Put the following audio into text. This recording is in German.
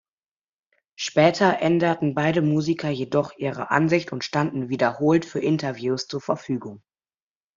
Später änderten beide Musiker jedoch ihre Ansicht und standen wiederholt für Interviews zur Verfügung.